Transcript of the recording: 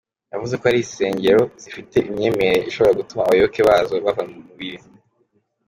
Yavuze ko hari insengero zifite imyemerere ishobora gutuma abayoboke bazo bava mu mubiri.